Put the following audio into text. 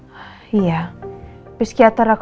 peskiater aku juga pernah mengatakan itu